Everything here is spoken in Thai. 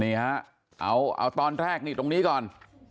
นี่ฮะเอาตอนแรกนี่ตรงนี้ก่อน